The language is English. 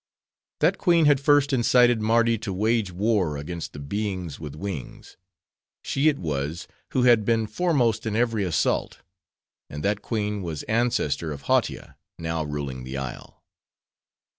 That queen had first incited Mardi to wage war against the beings with wings. She it was, who had been foremost in every assault. And that queen was ancestor of Hautia, now ruling the isle.